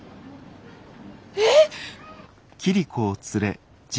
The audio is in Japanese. えっ？